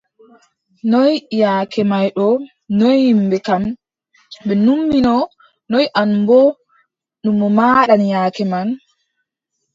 Noy yaake may ɗo, noy yimɓe kam, ɓe numino, noy an boo numo maaɗan yaake man?